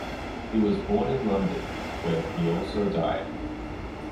He was born in London, where he also died.